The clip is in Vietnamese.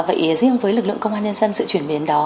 vậy riêng với lực lượng công an nhân dân sự chuyển biến đó